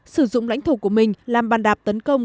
sử dụng lãnh thổ của mình làm bàn đạp tấn công